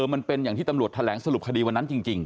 มันเป็นอย่างที่ตำรวจแถลงสรุปคดีวันนั้นจริง